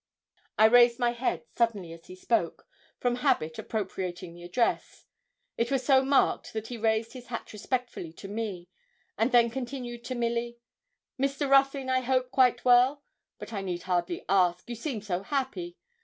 I raised my head suddenly as he spoke, from habit appropriating the address; it was so marked that he raised his hat respectfully to me, and then continued to Milly 'Mr. Ruthyn, I hope, quite well? but I need hardly ask, you seem so happy.